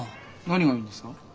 何がいいんですか？